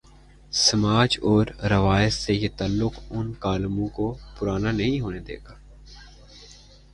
سماج اور روایت سے یہ تعلق ان کالموں کوپرانا نہیں ہونے دے گا۔